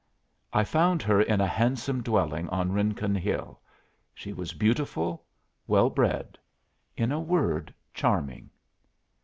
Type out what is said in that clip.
I found her in a handsome dwelling on Rincon Hill. She was beautiful, well bred in a word, charming.